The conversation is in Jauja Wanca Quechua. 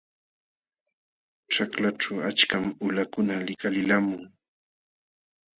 Ćhaklaćhu achkam qulakuna likalilqamun.